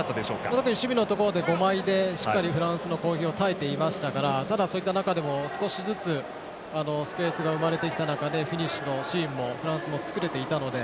特に守備のところで５枚でしっかりフランスの攻撃に耐えていましたからただそういった中でも少しずつスペースが生まれていた中でフィニッシュのシーンもフランス、作れていたので。